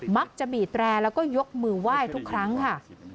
มักจะบีบแรแล้วก็ยกมือไหว้ทุกครั้งค่ะ